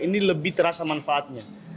ini lebih terasa manfaatnya